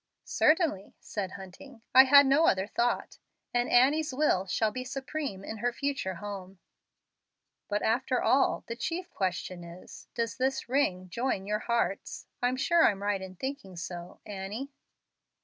"Certainly," said Hunting. "I had no other thought; and Annie's will shall be supreme in her future home." "But, after all, the chief question is, Does this ring join your hearts? I'm sure I'm right in thinking so, Annie?"